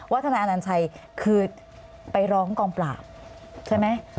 วัฒนาอันตันใจคือไปร้องกองปราบใช่ไหม